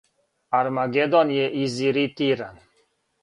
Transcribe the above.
Армагедон је изиритиран..